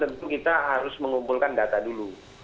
tentu kita harus mengumpulkan data dulu